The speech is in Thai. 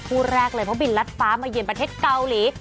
คู่แรกเลยเพราะบินรัดฟ้ามาเยือนประเทศเกาหลี